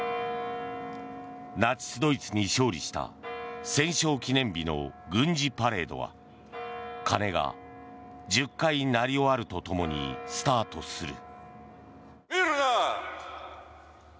ナチスドイツに勝利した戦勝記念日の軍事パレードは鐘が１０回鳴り終わると共にスタートする。